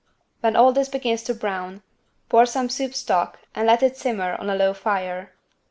When all this begins to brown, pour some soup stock and let it simmer on a low fire.